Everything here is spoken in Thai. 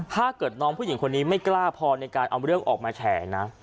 ถ้าเกิดน้องผู้หญิงคนนี้ไม่กล้าพอในการเอาเรื่องออกมาแฉนะ